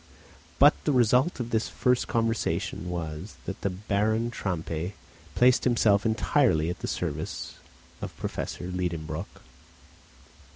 But the result of this first conversation was, that Baron Trampe placed himself entirely at the service of Professor Liedenbrock.